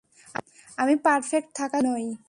আমি পারফেক্ট থাকার যোগ্য নই।